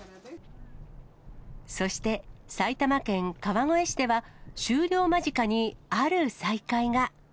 そして、埼玉県川越市では、終了間際にある再会が。